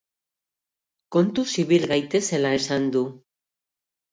Kontuz ibil gaitezela esan du.